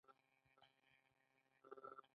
ایا زما عضلات به ښه شي؟